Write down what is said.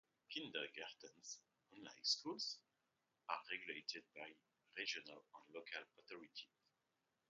Kindergartens, unlike schools, are regulated by regional and local authorities.